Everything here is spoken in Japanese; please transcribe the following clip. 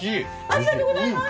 ありがとうございます！